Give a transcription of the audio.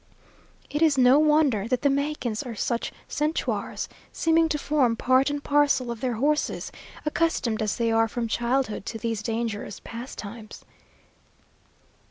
It is no wonder that the Mexicans are such centaurs, seeming to form part and parcel of their horses, accustomed as they are from childhood to these dangerous pastimes.